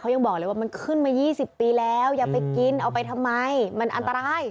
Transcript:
ยังบอกเลยว่ามันขึ้นมา๒๐ปีแล้วอย่าไปกินเอาไปทำไมมันอันตราย